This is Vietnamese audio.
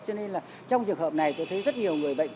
cho nên là trong trường hợp này tôi thấy rất nhiều người bệnh